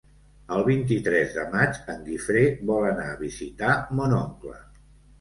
El vint-i-tres de maig en Guifré vol anar a visitar mon oncle.